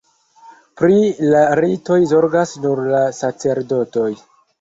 Pri la ritoj zorgas nur la sacerdotoj.